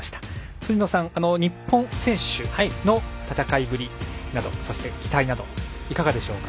辻野さん、日本選手の戦いぶりそして、期待などいかがでしょうか？